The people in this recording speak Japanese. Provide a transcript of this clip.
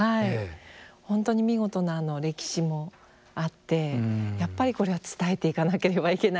本当に見事な歴史もあってやっぱりこれは伝えていかなければいけないって。